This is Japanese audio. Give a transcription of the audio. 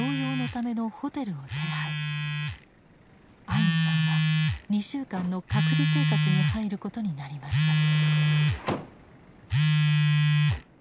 アインさんは２週間の隔離生活に入ることになりました。